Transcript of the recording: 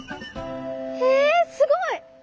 えすごい。